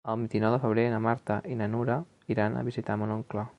El vint-i-nou de febrer na Marta i na Nura iran a visitar mon oncle.